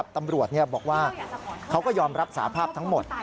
ตำรวจบอกว่าเขาก็ยอมรับสาภาพทั้งหมด